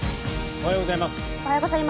おはようございます。